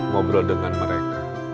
ngobrol dengan mereka